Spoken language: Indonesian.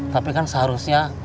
tapi kan seharusnya